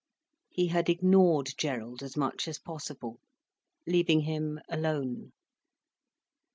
He had ignored Gerald as much as possible, leaving him alone.